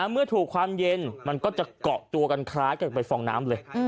เมื่อถูกความเย็นมันก็จะเกาะตัวกันคล้ายกันไปฟองน้ำเลย